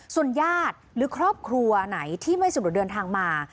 ส่วนญาติหรือครอบครัวไหนที่ไม่สะดวกเดินทางมา